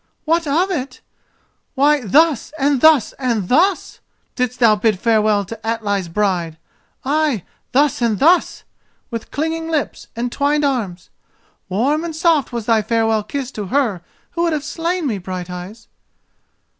"What of it? Why 'thus! and thus! and thus!' didst thou bid farewell to Atli's bride. Ay, 'thus and thus,' with clinging lips and twined arms. Warm and soft was thy farewell kiss to her who would have slain me, Brighteyes!"